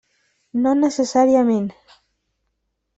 No necessàriament.